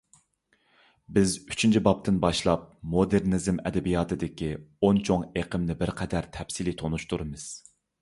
بىز ئۈچىنچى بابتىن باشلاپ مودېرنىزم ئەدەبىياتىدىكى ئون چوڭ ئېقىمنى بىرقەدەر تەپسىلىي تونۇشتۇرىمىز.